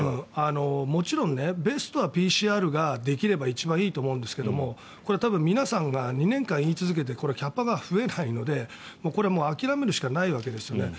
もちろんベストはＰＣＲができれば一番いいと思うんですけどこれは多分皆さんが２年間言い続けてキャパが増えないのでこれは諦めるしかないわけです。